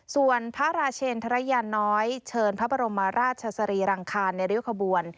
ส่วนพระราชเชนธรยาน้อยเชิญพระบรมราชสรีรังคารในริ้วขบวน